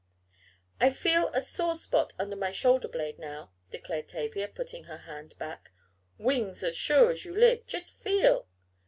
"I feel a sore spot under my shoulder blade now," declared Tavia, putting her hand back. "Wings as sure as you live, just feel!"